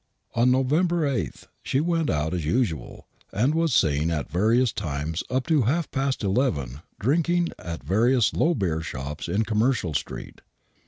On November 8 she went out as usual, and was seen at various times up to half past 11 drinking at various low beer shops in Commercial Street.